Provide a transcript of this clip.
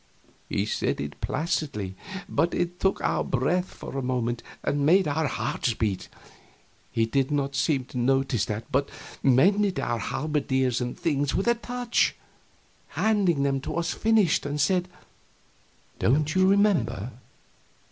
He said it placidly, but it took our breath for a moment and made our hearts beat. He did not seem to notice that, but mended our halberdiers and things with a touch, handing them to us finished, and said, "Don't you remember?